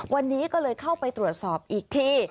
วันนี้ก็เลยเข้าไปตรวจสอบอีกที